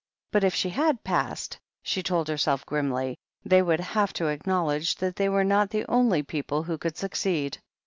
But if she had passed, she told herself grimly, they would have to acknowledge that they were not the only people who could succeed.